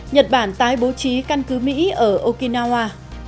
nhật bản tái bố trí căn cứ mỹ ở okinawa